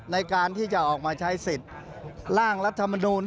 ในการที่จะออกมาใช้สิทธิ์ร่างรัฐมนูล